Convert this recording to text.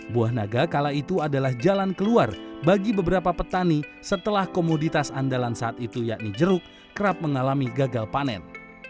buah naga kala itu adalah jalan keluar bagi beberapa petani setelah komoditas andalan saat itu yakni jeruk kerap mengalami gagal panen